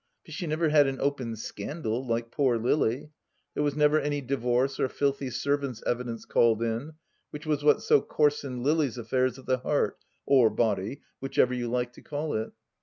But she never had an open scandal, like poor Lily ; there was never any divorce or filthy servant's evidence called in, which was what so coarsened Lily's affairs of the heart — or body, whichever you like to call it.